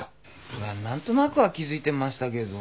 そりゃ何となくは気づいてましたけど。